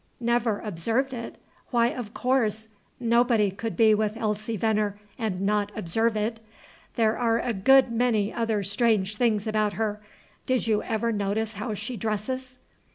"Never observed it? Why, of course, nobody could be with Elsie Venner and not observe it. There are a good many other strange things about her: did you ever notice how she dresses?"